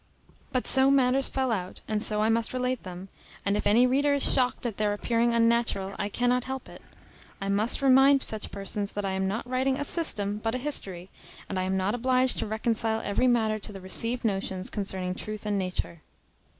But so matters fell out, and so I must relate them; and if any reader is shocked at their appearing unnatural, I cannot help it. I must remind such persons that I am not writing a system, but a history, and I am not obliged to reconcile every matter to the received notions concerning truth and nature.